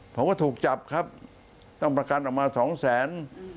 ผมก็ถูกจับครับต้องประกันออกมาสองแสน